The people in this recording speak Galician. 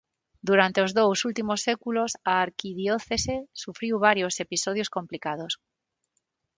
Durante os dous últimos séculos a arquidiocese sufriu varios episodios complicados.